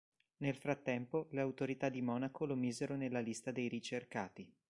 Nel frattempo, le autorità di Monaco lo misero nella lista dei ricercati.